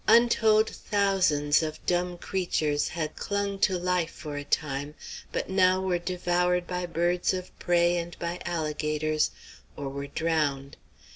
Untold thousands of dumb creatures had clung to life for a time, but now were devoured by birds of prey and by alligators, or were drowned.